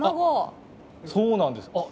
そうなんです。